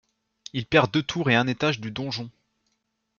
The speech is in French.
Il perd deux tours et un étage du donjon.